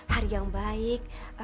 hari yang baik